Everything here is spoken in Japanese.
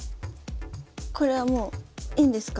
これはもういいんですか？